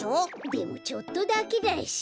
でもちょっとだけだし。